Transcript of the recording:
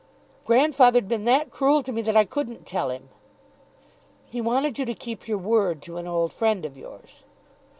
"Grandfather 'd been that cruel to me that I couldn't tell him." "He wanted you to keep your word to an old friend of yours."